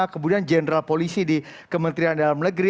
kemudian general polisi di kementerian dalam negeri